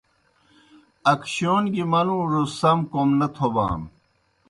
اکشِیون گیْ منُوڙوْس سَم کوْم نہ تھوبانوْ۔